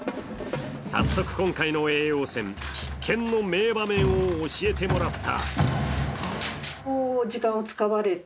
早速今回の叡王戦、必見の名場面を教えてもらった。